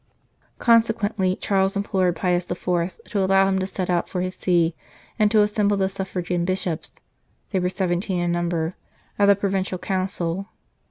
Consequently, Charles implored Pius IV. to allow him to set out for his See and to assemble the Suffragan Bishops they were seventeen in number at a Provincial Council.